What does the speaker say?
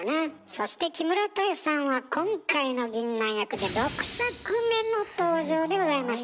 そして木村多江さんは今回のぎんなん役で６作目の登場でございました。